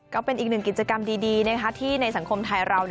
ก็เป็นอีกหนึ่งกิจกรรมดีที่ในสังคมไทยเรา